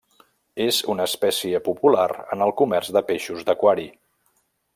És una espècie popular en el comerç de peixos d'aquari.